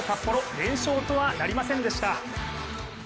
連勝とはなりませんでした。